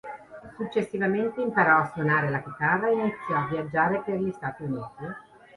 Successivamente imparò a suonare la chitarra e iniziò a viaggiare per gli Stati Uniti.